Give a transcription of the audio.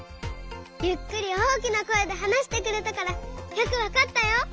ゆっくり大きなこえではなしてくれたからよくわかったよ。